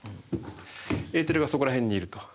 エーテルがそこら辺にいると。